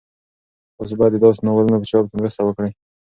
تاسو باید د داسې ناولونو په چاپ کې مرسته وکړئ.